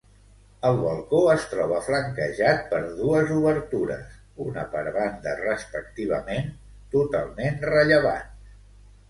El balcó es troba flanquejat per dues obertures -una per banda respectivament-, totalment rellevants.